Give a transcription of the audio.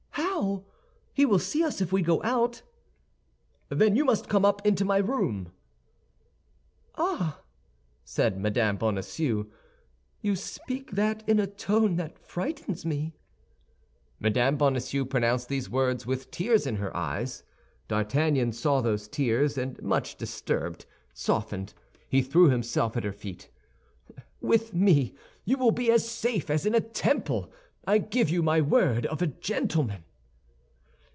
How? He will see us if we go out." "Then you must come up into my room." "Ah," said Mme. Bonacieux, "you speak that in a tone that frightens me!" Mme. Bonacieux pronounced these words with tears in her eyes. D'Artagnan saw those tears, and much disturbed, softened, he threw himself at her feet. "With me you will be as safe as in a temple; I give you my word of a gentleman."